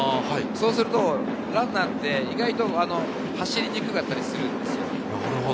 そうするとランナーって走りにくかったりするんですよ。